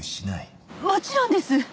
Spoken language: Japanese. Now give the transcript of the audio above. もちろんです！